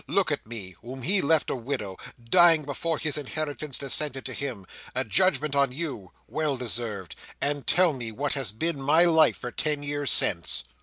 Look at me, whom he left a widow, dying before his inheritance descended to him—a judgment on you! well deserved!—and tell me what has been my life for ten years since."